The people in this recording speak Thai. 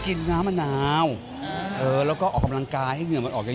กินน้ำมะนาวเออแล้วก็ออกกำลังกายให้เหงื่อมันออกอย่าง